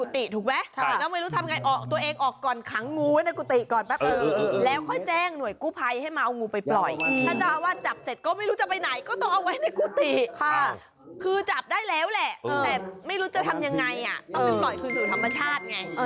แต่ไม่รู้จะทำยังไงต้องไปปล่อยคืนสู่ธรรมชาติไง